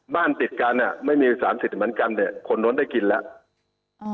บ้านติดกันอ่ะไม่มี๓๐เหมือนกันเนี่ยคนโน้นได้กินแล้ว